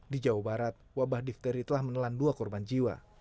di jawa barat wabah difteri telah menelan dua korban jiwa